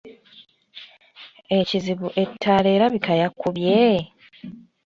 Ekizibu Ettaala erabika yakubye?